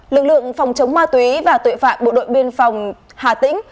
lực lượng phòng chống ma túy và tội phạm bộ đội biên phòng hà tĩnh